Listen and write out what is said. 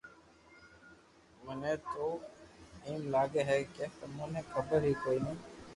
مني تو ايمم لاگي ھي ڪي تمو ني خبر ھي ڪوئي نو